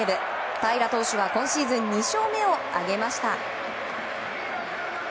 平良投手は今シーズン２勝目を挙げました。